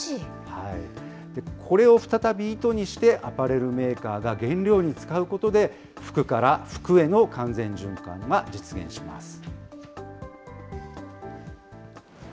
これを再び糸にして、アパレルメーカーが原料に使うことで、服から服への完全循環が実現します。